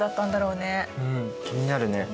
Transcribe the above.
うん気になるね。